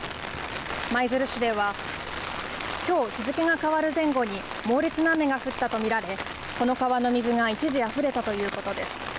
舞鶴市ではきょう日付が変わる前後に猛烈な雨が降ったと見られ、この川の水が一時あふれたということです。